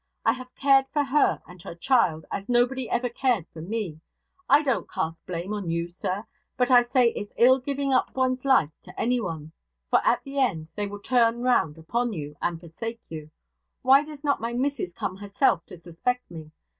I have cared for her and her child, as nobody ever cared for me. I don't cast blame on you, sir, but I say it's ill giving up one's life to anyone; for, at the end, they will turn round upon you, and forsake you. Why does not my missus come herself to suspect me?